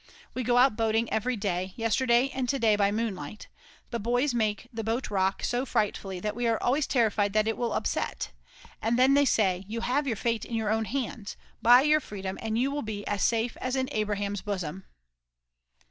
We go out boating every day, yesterday and to day by moonlight. The boys make the boat rock so frightfully that we are always terrified that it will upset. And then they say: "You have your fate in your own hands; buy your freedom and you will be as safe as in Abraham's bosom."